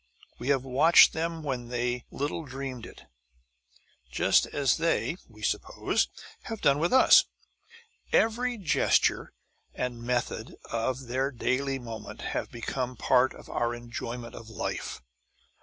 We have watched them when they little dreamed it; just as they (we suppose) have done with us. Every gesture and method of their daily movement have become part of our enjoyment of life.